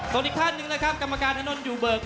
ส่วนอีกท่านหนึ่งนะครับกรรมการอนนท์อยู่เบิก